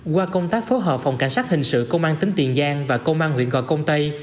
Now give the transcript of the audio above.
qua công tác phối hợp phòng cảnh sát hình sự công an tỉnh tiền giang và công an huyện gò công tây